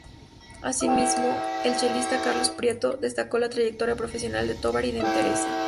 Asimismo, el chelista Carlos Prieto destacó la trayectoria profesional de Tovar y de Teresa.